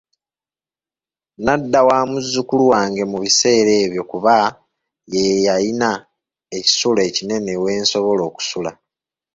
Nadda wa muzukulu wange mu biseera ebyo kuba ye yayina ekisulo ekinene w'ensobola okusula.